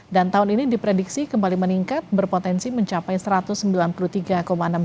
dan tahun ini diprediksi kembali meningkat berpotensi mencapai satu ratus sembilan puluh tiga enam juta orang